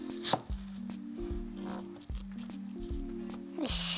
よし。